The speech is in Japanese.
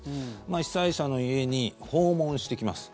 被災者の家に訪問してきます。